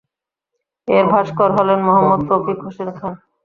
এর ভাস্কর হলেন মোহাম্মদ তৌফিক হোসেন খান।